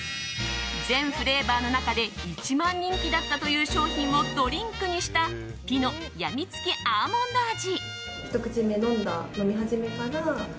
全フレーバーの中で一番人気だったという商品をドリンクにしたピノやみつきアーモンド味。